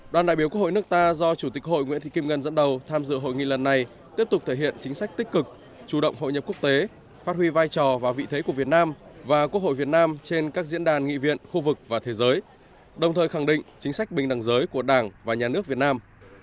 đoàn đại biểu quốc hội nước ta do chủ tịch hội nguyễn thị kim ngân dẫn đầu tham dự hội nghị lần này tiếp tục thể hiện chính sách tích cực chủ động hội nhập quốc tế phát huy vai trò và vị thế của việt nam và quốc hội việt nam trên các diễn đàn nghị viện khu vực và thế giới đồng thời khẳng định chính sách bình đẳng giới của đảng và nhà nước việt nam